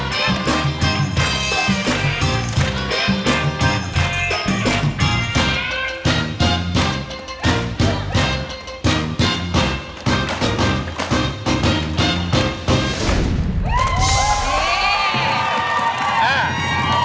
พร้อมครับ